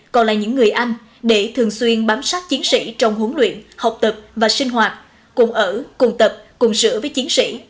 và những người anh để thường xuyên bám sát chiến sĩ trong huấn luyện học tập và sinh hoạt cùng ở cùng tập cùng sửa với chiến sĩ